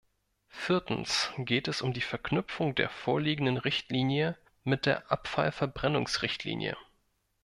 Viertens geht es um die Verknüpfung der vorliegenden Richtlinie mit der Abfallverbrennungsrichtlinie.